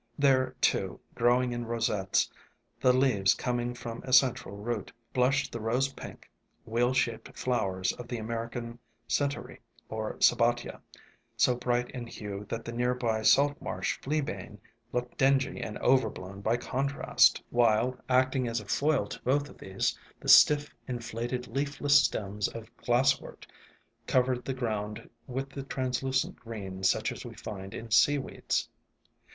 There, too, ALONG THE WATERWAYS 59 growing in rosettes, the leaves coming from a central root, blushed the rose pink, wheel shaped flowers of the American Centaury or Sabbatia, so bright in hue that the near by Salt Marsh Fleabane looked dingy and overblown by contrast, while, acting as a foil to both of these, the stiff, inflated leaf less stems of Glass wort covered the ground with the translucent green such as we find in seaweeds.